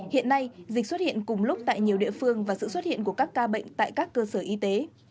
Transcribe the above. hiện nay dịch xuất hiện cùng lúc tại nhiều địa phương và sự xuất hiện của các ca bệnh tại các cơ sở y tế